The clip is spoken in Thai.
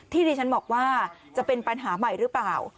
ที่ดิฉันบอกว่าจะเป็นปัญหาใหม่หรือเปล่า